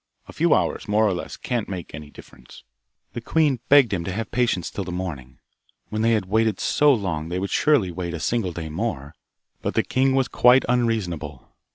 A few hours, more or less, can't make any difference.' The queen begged him to have patience till the morning. When they had waited so long, they could surely wait a single day more. But the king was quite unreasonable.